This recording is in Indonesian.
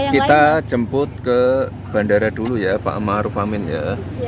kita jemput ke bandara dulu ya pak ammaru fahmin ya